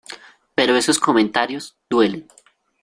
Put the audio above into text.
pero esos comentarios, duelen.